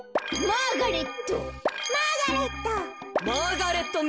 マーガレット。